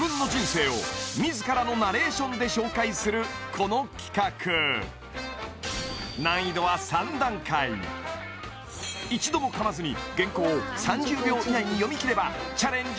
この企画一度も噛まずに原稿を３０秒以内に読み切ればチャレンジ